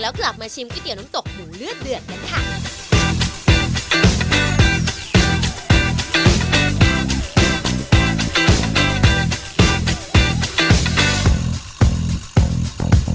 แล้วกลับมาชิมก๋วยเตี๋ยวน้ำตกหมูเลือดเดือดกันค่ะ